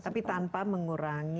tapi tanpa mengurangi